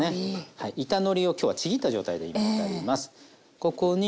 板のりを今日はちぎった状態で入れてあります。